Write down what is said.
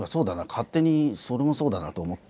勝手にそれもそうだなと思って。